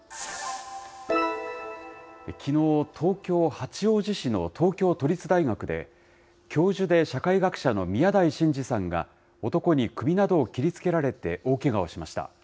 きのう、東京・八王子市の東京都立大学で、教授で社会学者の宮台真司さんが、男に首などを切りつけられて大けがをしました。